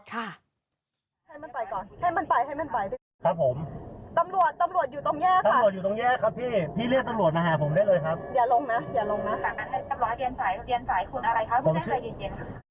ผมชื่อ